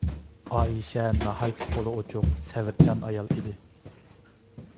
ئائىشە ناھايىتى قولى ئوچۇق، سەۋرچان ئايال ئىدى.